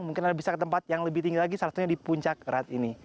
mungkin anda bisa ke tempat yang lebih tinggi lagi salah satunya di puncak erat ini